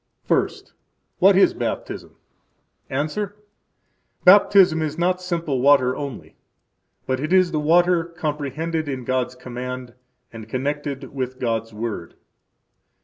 First. What is Baptism? –Answer: Baptism is not simple water only, but it is the water comprehended in God's command and connected with God's Word.